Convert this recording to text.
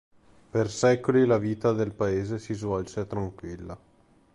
Per secoli la vita del paese si svolse tranquilla.